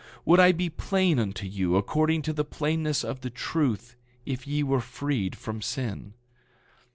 Would I be plain unto you according to the plainness of the truth if ye were freed from sin?